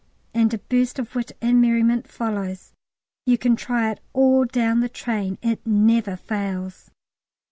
and a burst of wit and merriment follows. You can try it all down the train; it never fails.